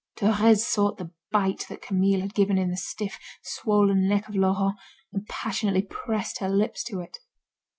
Thérèse sought the bite that Camille had given in the stiff, swollen neck of Laurent, and passionately pressed her lips to it.